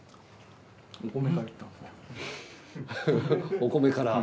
お米から。